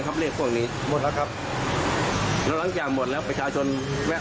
ก็จะไม่มีแล้วตอนนี้ค่ะตามแทนเหลือแต่เลขอื่น